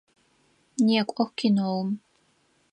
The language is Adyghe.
Некӏох киноум!